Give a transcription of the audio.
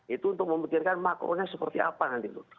itu untuk memikirkan makronya seperti apa nanti tuh